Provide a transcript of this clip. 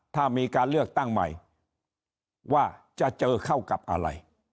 ถ้ามีการเลือกตั้งใหม่ว่าจะเจอเข้ากับอะไร